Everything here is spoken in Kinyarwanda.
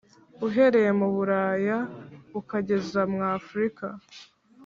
uhereye mu bulaya, ukageza mw afrika.